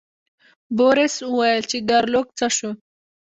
بوریس وویل چې ګارلوک څه شو.